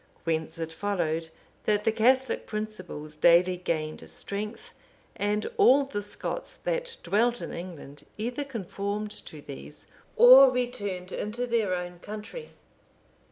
Whence it followed, that the Catholic principles daily gained strength, and all the Scots that dwelt in England either conformed to these, or returned into their own country.